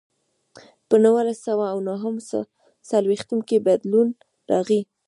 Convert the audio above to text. په نولس سوه او نهه څلوېښتم کې بدلون راغی.